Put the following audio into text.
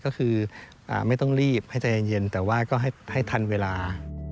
ก็คือไม่ต้องรีบให้ใจเย็นแต่ว่าก็ให้ทันเวลา